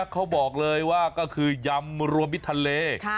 เขาบอกเลยว่าก็คือยำรวมมิดทะเล